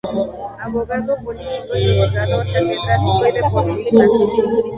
Abogado, político, investigador, catedrático y deportista.